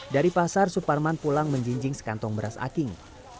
dari pasar suparman pulang menjinjing sekantong beras aking